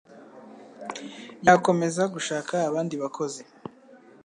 yakomeza gushaka abandi bakozi